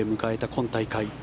今大会。